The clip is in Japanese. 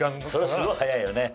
すごい早いよね。